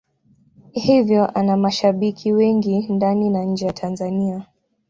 Hivyo ana mashabiki wengi ndani na nje ya Tanzania.